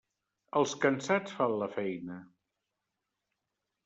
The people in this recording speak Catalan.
Els cansats fan la feina.